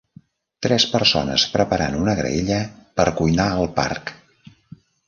Tres persones preparant una graella per cuinar al parc.